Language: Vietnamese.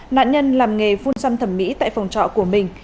nạn nhân làm nghề phun xăm thẩm mỹ tại phòng trọ của mình